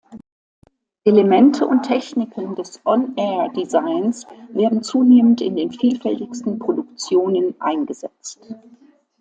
Elemente und Techniken des On Air Designs werden zunehmend in den vielfältigsten Produktionen eingesetzt.